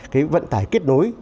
cái vận tải kết nối